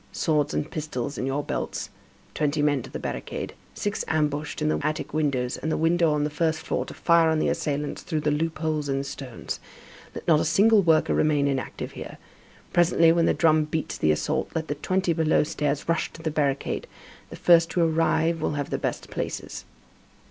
Swords and pistols in your belts. Twenty men to the barricade. Six ambushed in the attic windows, and at the window on the first floor to fire on the assailants through the loop holes in the stones. Let not a single worker remain inactive here. Presently, when the drum beats the assault, let the twenty below stairs rush to the barricade. The first to arrive will have the best places."